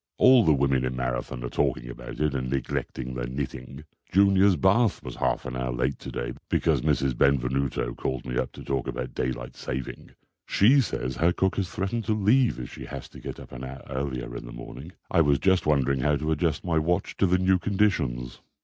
All the women in Marathon are talking about it and neglecting their knitting. Junior's bath was half an hour late today because Mrs. Benvenuto called me up to talk about daylight saving. She says her cook has threatened to leave if she has to get up an hour earlier in the morning. I was just wondering how to adjust my watch to the new conditions."